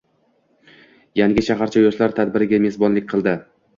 Yangi shaharcha yoshlar tadbiriga mezbonlik qilding